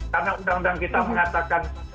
karena undang undang kita mengatakan